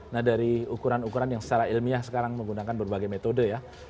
nah dari ukuran ukuran yang secara ilmiah sekarang menggunakan berbagai metode ya